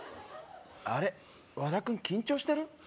あれっ和田くん緊張してる？